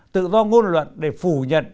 tự do ngôn luận để phủ nhận